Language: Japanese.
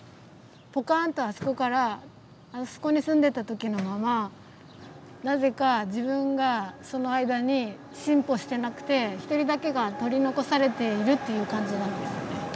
ポカンとあそこからあそこに住んでた時のままなぜか自分がその間に進歩してなくて一人だけが取り残されているっていう感じなんですね。